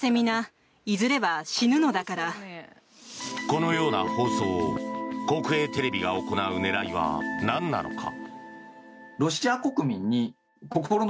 このような放送を国営テレビが行う狙いはなんなのか。